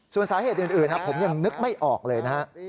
ส่วนสาเหตุอื่นผมยังนึกไม่ออกเลยนะฮะ